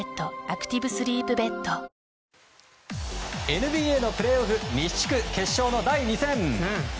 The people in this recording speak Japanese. ＮＢＡのプレーオフ西地区決勝の第２戦。